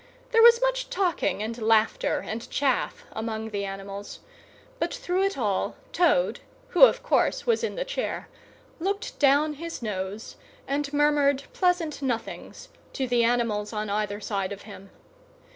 There was much talking and laughter and chaff among the animals, but through it all Toad, who of course was in the chair, looked down his nose and murmured pleasant nothings to the animals on either side of him.